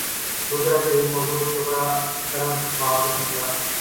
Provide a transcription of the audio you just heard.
دوسرا قریب موضع چکوڑہ کی طرف بھاگ نکلا۔